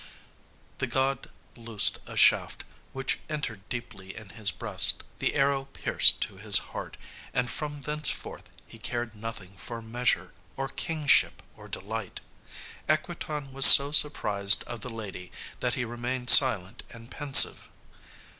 The god loosed a shaft which entered deeply in his breast. The arrow pierced to his heart, and from thenceforth he cared nothing for measure, or kingship, or delight. Equitan was so surprised of the lady, that he remained silent and pensive.